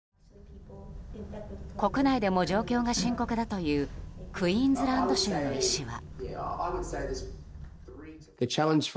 国内でも状況が深刻だというクイーンズランド州の医師は。